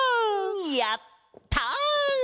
やった！